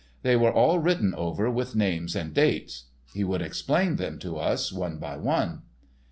They were all written over with names and dates. He would explain them to us one by one.